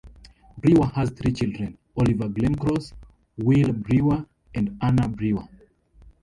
Brewer has three children: Oliver Glencross, Will Brewer and Anna Brewer.